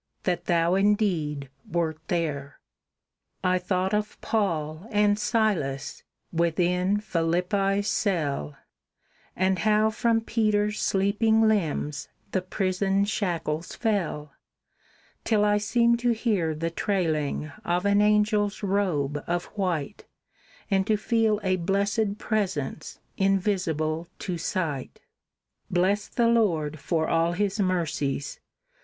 that Thou indeed wert there! I thought of Paul and Silas, within Philippi's cell, And how from Peter's sleeping limbs the prison shackles fell, Till I seemed to hear the trailing of an angel's robe of white, And to feel a blessed presence invisible to sight. Bless the Lord for all his mercies!